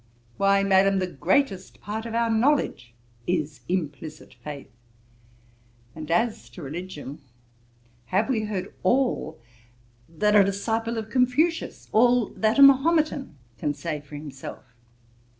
'Why, Madam, the greatest part of our knowledge is implicit faith; and as to religion, have we heard all that a disciple of Confucius, all that a Mahometan, can say for himself?'